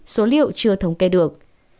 số liệu chưa thống kê được